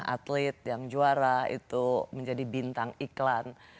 atlet yang juara itu menjadi bintang iklan